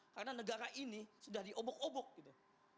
karena negara ini sudah diobok obok gitu